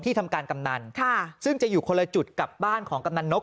ทำการกำนันค่ะซึ่งจะอยู่คนละจุดกับบ้านของกำนันนก